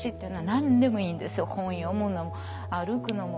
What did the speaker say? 本読むのも歩くのも。